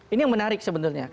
ini yang menarik sebenarnya